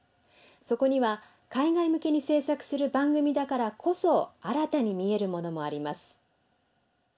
そこには海外向けに制作する番組だからこそ新たに見えるものもあります。